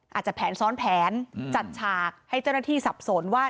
อาจจะแผนซ้อนแผนจัดฉากให้เจ้าหน้าที่สับสนว่า